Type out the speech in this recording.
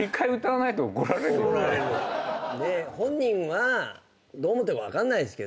本人はどう思ってるか分かんないですけど。